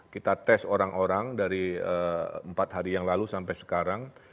kita tes orang orang dari empat hari yang lalu sampai sekarang